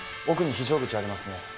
奥に非常口ありますね？